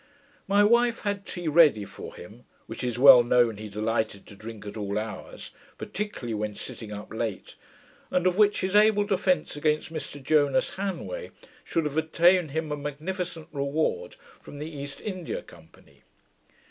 My wife had tea ready for him, which it is well known he delighted to drink at all hours, particularly when sitting up late, and of which his able defence against Mr Jonas Hanway should have obtained him a magnificent reward from the East India Company.